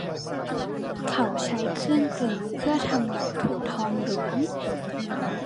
เขาใช้เครื่องกลึงเพื่อทำวัตถุทองเหลือง